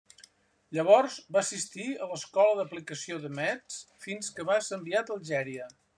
Llavors va assistir a l'Escola d'Aplicació de Metz fins que va ser enviat a Algèria.